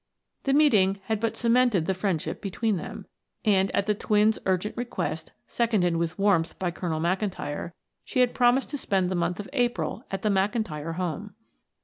The meeting had but cemented the friendship between them, and at the twins' urgent request, seconded with warmth by Colonel McIntyre, she had promised to spend the month of April at the McIntyre home.